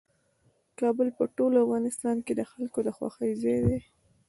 کابل په ټول افغانستان کې د خلکو د خوښې ځای دی.